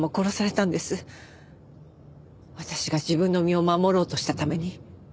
私が自分の身を守ろうとしたために。